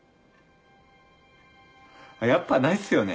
やっぱないっすよね。